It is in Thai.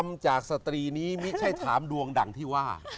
ทำจากสตรีนี้ไม่ใช่ถามดวงดังที่ว่า